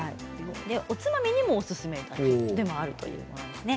おつまみにもおすすめでもあるということです。